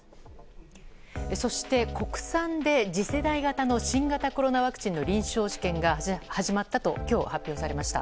そして国産で次世代型の新型コロナワクチンの臨床試験が始まったと今日、発表されました。